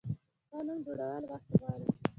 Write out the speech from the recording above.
ښه نوم جوړول وخت غواړي.